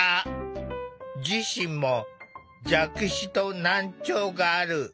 自身も弱視と難聴がある。